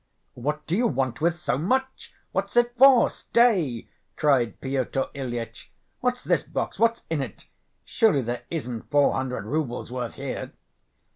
"What do you want with so much? What's it for? Stay!" cried Pyotr Ilyitch. "What's this box? What's in it? Surely there isn't four hundred roubles' worth here?"